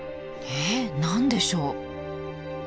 え何でしょう？